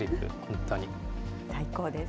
最高です。